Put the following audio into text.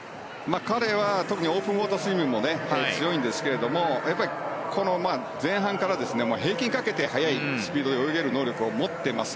彼は特にオープンウォータースイミングも非常に強いんですがこの前半から平均をかけて速いスピードで泳げる能力を持っています。